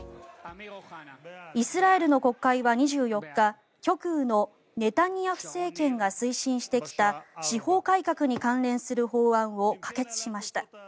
イスラエルの国会は２４日極右のネタニヤフ政権が推進してきた司法改革に関連する法案を可決しました。